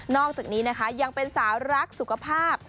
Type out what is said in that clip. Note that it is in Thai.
อกจากนี้นะคะยังเป็นสาวรักสุขภาพ